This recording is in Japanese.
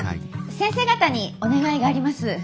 先生方にお願いがあります。